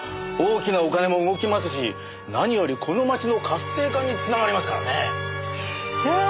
大きなお金も動きますしなによりこの町の活性化につながりますからねえ。